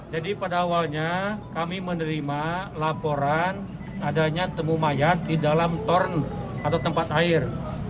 jadi pada awalnya kami menerima laporan adanya temumayat di dalam toren atau tempat air